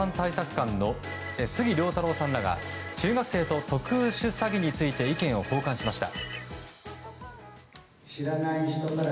監の杉良太郎さんらが中学生と特殊詐欺について意見を交換しました。